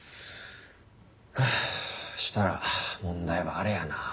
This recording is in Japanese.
はあしたら問題はあれやな。